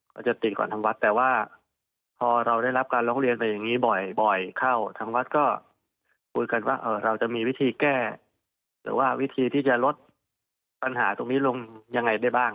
ก็จะติดก่อนทางวัดแต่ว่าพอเราได้รับการร้องเรียนไปอย่างนี้บ่อยเข้าทางวัดก็คุยกันว่าเราจะมีวิธีแก้หรือว่าวิธีที่จะลดปัญหาตรงนี้ลงยังไงได้บ้าง